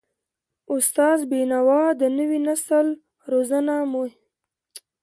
استاد بینوا د نوي نسل روزنه مهمه بلله.